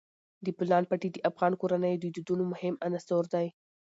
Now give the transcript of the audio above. د بولان پټي د افغان کورنیو د دودونو مهم عنصر دی.